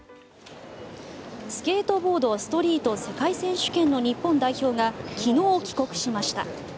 スケートボード・ストリート世界選手権の日本代表が昨日、帰国しました。